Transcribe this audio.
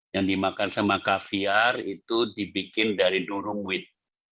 yang dimakan sama kaviar itu dibikin dari durung wit